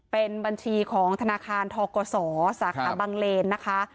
เป็นบัญชีของธนาคารทกศสบเลนด์นะคะ